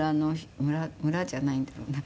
村じゃないんだよな。